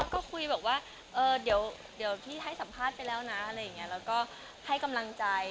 ก็คุยว่าเดี๋ยวพี่ให้สัมภาษณ์ไปแล้วนะแล้วก็ให้กำลังใจ